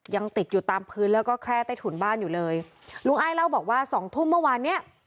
ยังติดอยู่ตามพื้นแล้วก็แคร่ใต้ถุนบ้านอยู่เลยลุงอ้ายเล่าบอกว่าสองทุ่มเมื่อวานเนี้ย